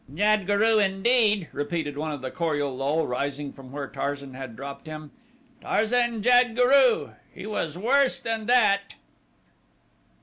"Jad guru, indeed," repeated one of the Kor ul lul rising from where Tarzan had dropped him. "Tarzan jad guru! He was worse than that."